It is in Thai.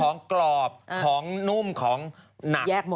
ของกรอบของนุ่มของหนัก